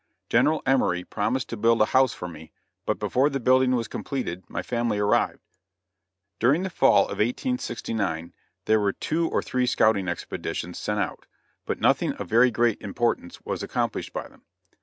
General Emory promised to build a house for me, but before the building was completed my family arrived. During the fall of 1869 there were two or three scouting expeditions sent out; but nothing of very great importance was accomplished by them.